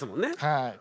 はい。